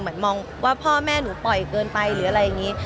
เหมือนมองว่าพ่อแม่หนูปล่อยเกินไปหรืออะไรอย่างนี้